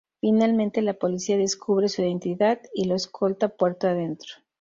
Finalmente la policía descubre su identidad y lo escolta puerto adentro.